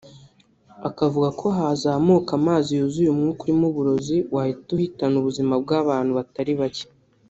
Akavuga ko hazamuka amazi yuzuye umwuka urimo uburozi wahita uhitana ubuzima bw’abantu batari bake